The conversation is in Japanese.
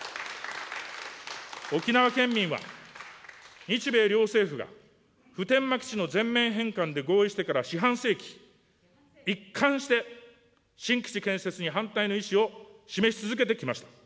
沖縄県民は日米両政府が普天間基地の全面返還で合意してから四半世紀、一貫して新基地建設に反対の意思を示し続けてきました。